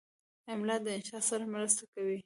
املا د انشا سره مرسته کوي.